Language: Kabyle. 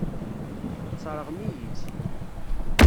Tesseṛɣem-iyi-tt.